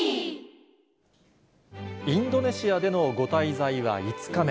インドネシアでのご滞在は５日目。